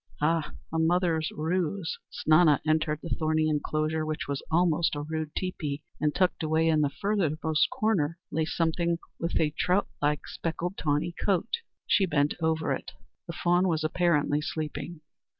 Ah, a mother's ruse! Snana entered the thorny enclosure, which was almost a rude teepee, and, tucked away in the further most corner, lay something with a trout like, speckled, tawny coat. She bent over it. The fawn was apparently sleeping.